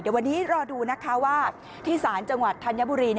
เดี๋ยววันนี้รอดูนะคะว่าที่ศาลจังหวัดธัญบุรี